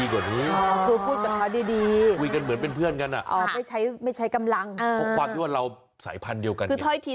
ก่อนเราสายพันเดียวกัน